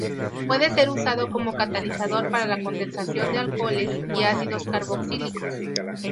Puede ser usado como catalizador para la condensación de alcoholes y ácidos carboxílicos.